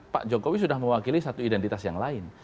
pak jokowi sudah mewakili satu identitas yang lain